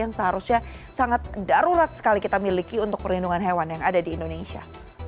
yang seharusnya sangat darurat sekali kita miliki untuk perlindungan hewan yang ada di indonesia